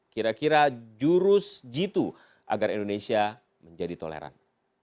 kira kira jurus jitu agar indonesia menjadi toleran